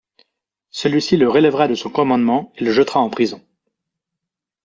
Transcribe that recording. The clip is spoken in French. Celui-ci le relèvera de son commandement et le jettera en prison.